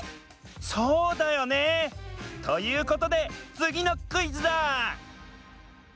そうだよね！ということでつぎのクイズだ！